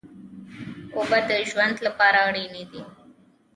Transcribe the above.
اوبه د ژوند لپاره اړینې دي.